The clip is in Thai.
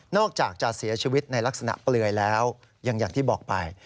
อกจากจะเสียชีวิตในลักษณะเปลือยแล้วอย่างที่บอกไป